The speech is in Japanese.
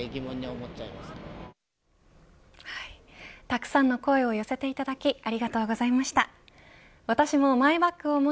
たくさんの声を寄せていただきありがとうございました。